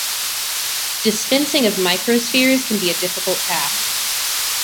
Dispensing of microspheres can be a difficult task.